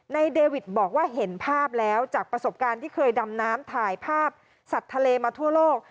เดวิดบอกว่าเห็นภาพแล้วจากประสบการณ์ที่เคยดำน้ำถ่ายภาพสัตว์ทะเลมาทั่วโลก